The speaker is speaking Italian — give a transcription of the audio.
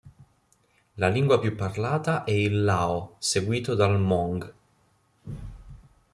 La lingua più parlata è il lao, seguito dal hmong.